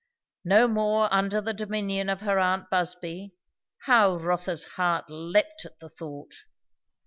No more under the dominion of her aunt Busby! how Rotha's heart leapt at the thought.